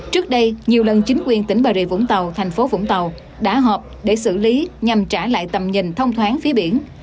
trước đây nhiều lần chính quyền tỉnh bà rịa vũng tàu thành phố vũng tàu đã họp để xử lý nhằm trả lại tầm nhìn thông thoáng phía biển